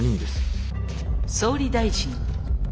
「総理大臣」。